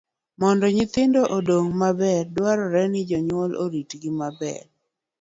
Mondo nyithindo odong maber, dwarore ni jonyuol oritgi maber.